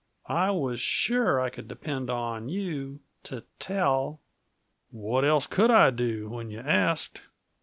"I was sure I could depend upon you to tell!" "What else could I do, when you asked?"